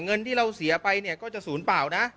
เงินที่เราเสียไปเนี่ยก็จะศูนย์เปล่านะ